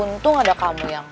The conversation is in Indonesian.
untung ada kamu yang